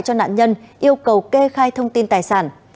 cho nạn nhân yêu cầu kê khai thông tin tài sản